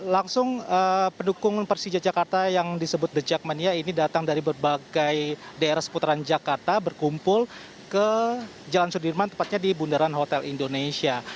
langsung pendukung persija jakarta yang disebut the jackmania ini datang dari berbagai daerah seputaran jakarta berkumpul ke jalan sudirman tepatnya di bundaran hotel indonesia